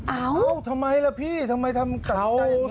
เอ้าทำไมล่ะพี่ทำไมทำกันแบบนี้